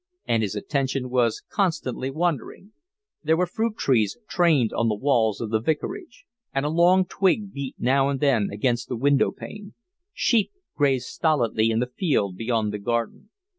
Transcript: And his attention was constantly wandering: there were fruit trees trained on the walls of the vicarage, and a long twig beat now and then against the windowpane; sheep grazed stolidly in the field beyond the garden.